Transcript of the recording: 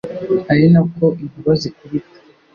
ari na ko inkuba zikubita